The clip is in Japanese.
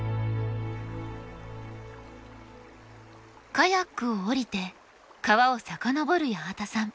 カヤックを降りて川を遡る八幡さん。